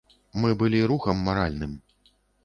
Мы былі рухам маральным.